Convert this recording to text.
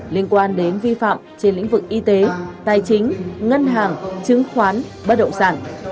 liên quan đến vi phạm trên lĩnh vực y tế tài chính ngân hàng chứng khoán bất động sản